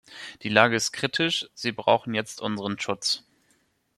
Die Lage ist kritisch, sie brauchen jetzt unseren Schutz.